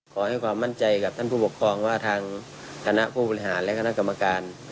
ขอให้ความมั่นใจกับท่านผู้ปกครองว่าทางคณะผู้บริหารและคณะกรรมการ